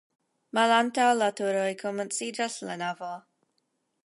Malantaŭ la turoj komenciĝas la navo.